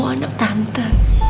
kau anak tante